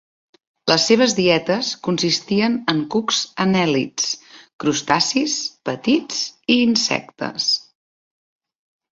Les seves dietes consistien en cucs anèl·lids, crustacis petits i insectes.